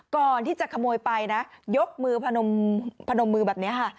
ก่อนที่จะขโมยไปนะยกมือพนมพนมมือแบบนี้ค่ะ